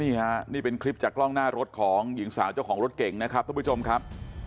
นี่ฮะนี่เป็นคลิปจากกล้องหน้ารถของหญิงสาวเจ้าของรถเก่งนะครับทุกผู้ชมครับ